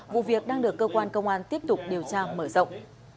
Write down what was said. vụ việc đang được cơ quan công an tiếp tục điều tra mở rộng